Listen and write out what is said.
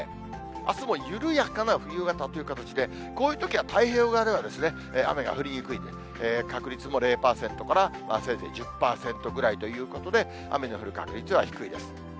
あすも緩やかな冬型という形で、こういうときは太平洋側では、雨が降りにくい、確率も０％から、せいぜい１０％ぐらいということで、雨の降る確率は低いです。